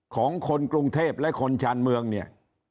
ของคนกรุงเทพและคนชาญเมืองเนี่ย